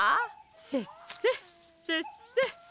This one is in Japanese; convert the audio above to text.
せっせせっせ。